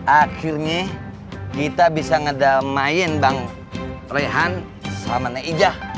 akhirnya kita bisa ngedamain bang rehan sama neijah